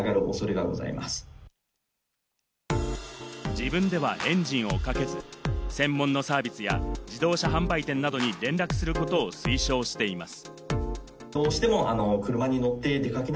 自分ではエンジンをかけず、専門のサービスや自動車販売店などに連絡することを推奨しています。